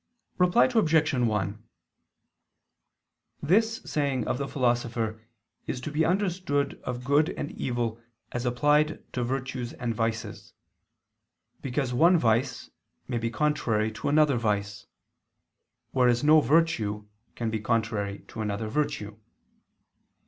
Reply Obj. 1: This saying of the Philosopher is to be understood of good and evil as applied to virtues and vices: because one vice may be contrary to another vice, whereas no virtue can be contrary to another virtue.